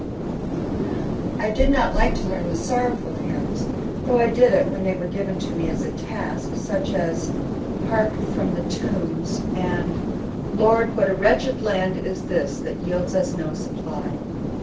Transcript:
I did not like to learn the sorrowful hymns, though I did it when they were given to me as a task, such as "Hark, from the tombs," and "Lord, what a wretched land is this, That yields us no supply."